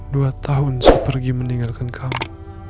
dua tahun saya pergi meninggalkan kamu